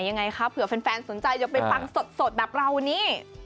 ยังไงคะเผื่อแฟนสนใจจะไปฟังสดแบบเรานี่